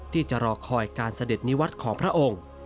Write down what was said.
ที่จะรอคอยการเสด็จนิวัตรของพระองค์